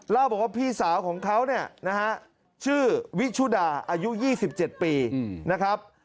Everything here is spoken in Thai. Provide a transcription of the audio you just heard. เล่าบอกว่าพี่สาวของเขาเนี่ยนะฮะชื่อวิชุดาอายุ๒๗ปีนะครับ